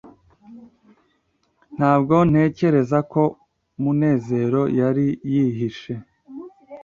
ntabwo ntekereza ko munezero yari yihishe